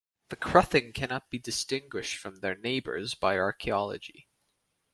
The Cruthin cannot be distinguished from their neighbours by archaeology.